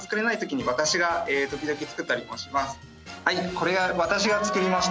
これは私が作りました。